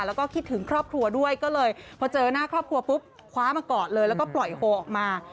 แล้วก็คิดถึงครอบครัวด้วยก็เลยพอเจอหน้าครอบครัวปุ๊บคว้ามากอดเลยแล้วก็ปล่อยโฮออกมา